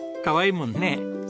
かわいいもんね。